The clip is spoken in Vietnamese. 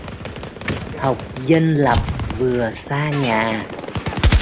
học dân lập vừa xa nhà